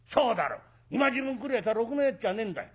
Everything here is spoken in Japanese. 今時分来るやつはろくなやつじゃねえんだよ。